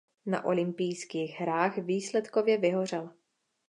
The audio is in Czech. Na olympijských hrách výsledkově vyhořel.